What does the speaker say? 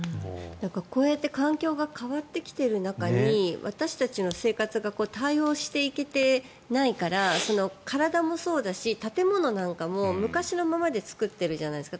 こうやって環境が変わってきている中に私たちの生活が対応していけていないから体もそうだし、建物なんかも昔のままで作ってるじゃないですか。